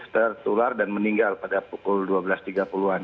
tertular dan meninggal pada pukul dua belas tiga puluh an